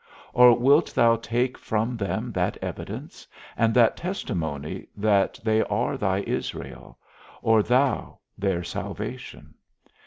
or wilt thou take from them that evidence, and that testimony that they are thy Israel, or thou their salvation?